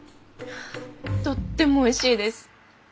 あとってもおいしいです。